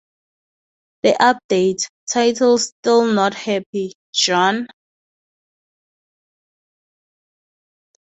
The update, titled Still Not Happy, John!